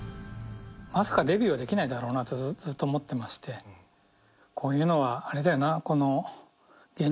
まさかデビューはできないだろうなとずっと思ってましてこういうのはあれだよな。ってずっと思ってて。